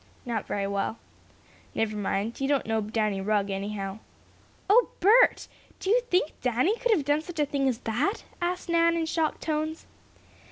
"Not very well." "Never mind. You don't know Danny Rugg, anyhow." "Oh, Bert! Do you think Danny could have done such a thing as that?" asked Nan, in shocked tones.